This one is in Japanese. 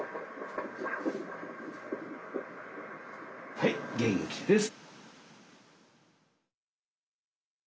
はい元気です。